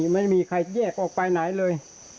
ไม่มีใครแยกออกไปไหนเลย